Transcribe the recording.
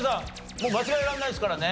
もう間違えられないですからね。